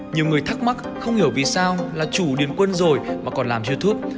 nhiều người thắc mắc không hiểu vì sao là chủ điền quân rồi mà còn làm youtube